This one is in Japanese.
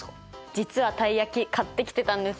実はたい焼き買ってきてたんですよ。